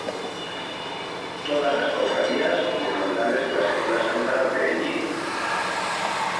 Todas las Cofradías y Hermandades de la Semana Santa de Hellín.